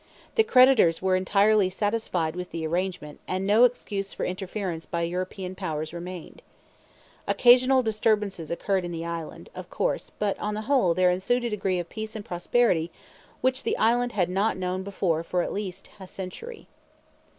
The creditors were entirely satisfied with the arrangement, and no excuse for interference by European powers remained. Occasional disturbances occurred in the island, of course, but on the whole there ensued a degree of peace and prosperity which the island had not known before for at least a century.